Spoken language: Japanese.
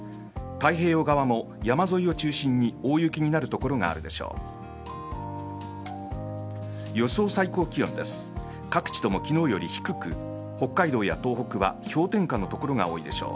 太平洋側も山沿いを中心に大雪になる所があるでしょう。